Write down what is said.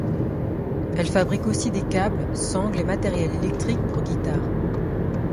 Elle fabrique aussi des câbles, sangles et matériel électrique pour guitares.